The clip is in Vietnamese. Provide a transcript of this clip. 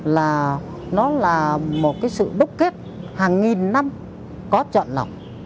là nó là một cái sự đúc kết hàng nghìn năm có chọn lọc